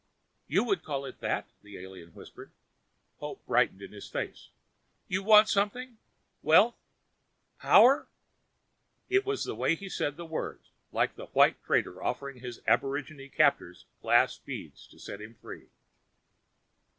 "You would call it that," the alien whispered. Hope brightened his face. "You want something? Wealth? Power?" It was the way he said the words, like a white trader offering his aborigine captors glass beads to set him free.